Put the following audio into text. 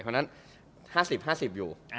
เพราะฉะนั้น๕๐๕๐อยู่